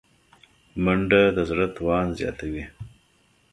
منډه د زړه توان زیاتوي